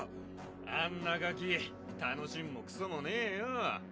あんなガキ楽しむもクソもねぇよ。